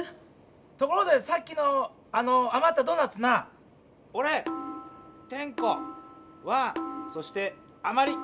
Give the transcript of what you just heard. ところでさっきのあのあまったドーナツなおれテンコワンそしてあまり。